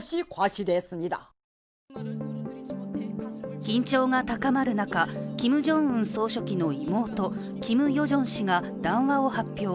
緊張が高まる中、キム・ジョンウン総書記の妹キム・ヨジョン氏が談話を発表。